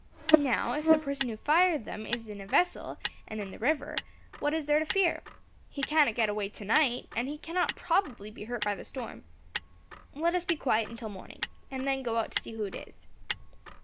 Now, if the person who fired them is in a vessel, and in the river, what is there to fear? He cannot get away tonight, and he cannot probably be hurt by the storm. Let us be quiet until morning, and then go out to see who it is."